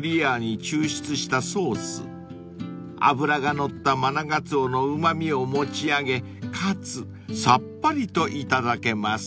［脂が乗ったマナガツオのうま味を持ち上げかつさっぱりと頂けます］